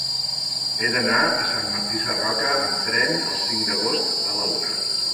He d'anar a Sant Martí Sarroca amb tren el cinc d'agost a la una.